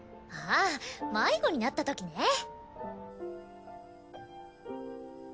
あぁ迷子になったときね。